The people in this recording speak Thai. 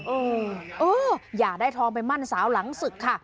เออเอออยากได้ทองไปมั่นสาวหลังศึกค่ะ